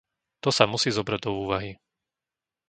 To sa musí zobrať do úvahy.